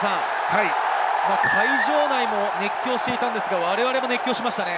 会場内も熱狂していたんですが我々も熱狂しましたね。